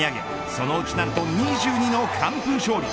そのうち何と２２の完封勝利。